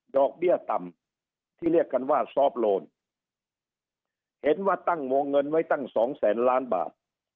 อกเบี้ยต่ำที่เรียกกันว่าซอฟต์โลนเห็นว่าตั้งวงเงินไว้ตั้งสองแสนล้านบาท